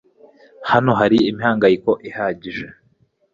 Hano hari imihangayiko ihagije